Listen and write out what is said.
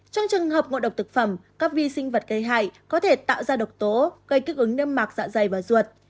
trong trường hợp ngộ độc thực phẩm các vi sinh vật gây hại có thể tạo ra độc tố gây kích ứng nâm mạc dạ dày và ruột